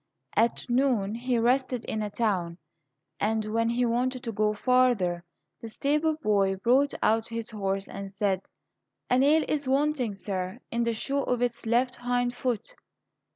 At noon he rested in a town, and when he wanted to go farther the stable boy brought out his horse and said, "A nail is wanting, sir, in the shoe of its left hind foot."